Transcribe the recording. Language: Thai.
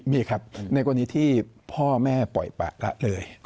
มีครับในกรณีที่พ่อแม่ปล่อยปะละเลย